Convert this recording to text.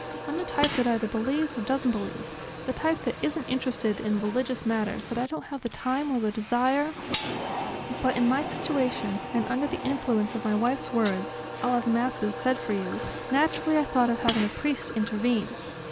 I'm the type that either believes or doesn't believe, the type that isn't interested in religious matters that I don't have the time or the desire ... But in my situation, and under the influence of my wife's words: "I'll have Masses said for you," naturally I thought of having a priest intervene."